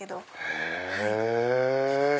へぇ。